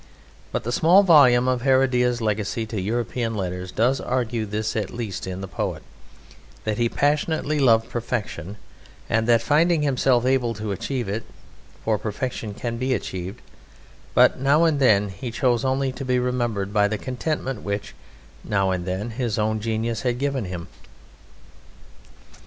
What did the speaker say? But the small volume of Heredia's legacy to European letters does argue this at least in the poet, that he passionately loved perfection and that, finding himself able to achieve it (for perfection can be achieved) but now and then, he chose only to be remembered by the contentment which, now and then, his own genius had given him.